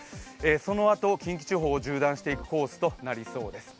そのあと近畿地方を縦断していくコースとなりそうです。